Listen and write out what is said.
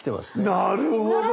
なるほど！